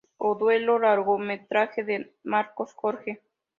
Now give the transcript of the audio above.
O Duelo, largometraje de Marcos Jorge.